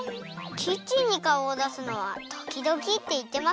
キッチンにかおをだすのはときどきっていってませんでしたっけ？